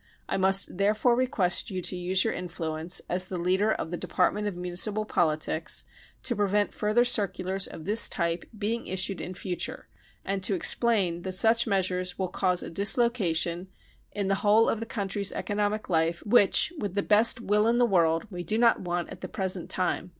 5 I must therefore rSquest you to use your influence, as the leader of the Department of Municipal Politics, to prevent further circulars of this type being issued in future, and to explain that such measures will cause a dislocation in the whole of the country's economic life which, with the best will in the world, we do not want at the present time